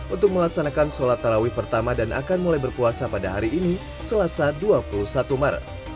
untuk melaksanakan sholat tarawih pertama dan akan mulai berpuasa pada hari ini selasa dua puluh satu maret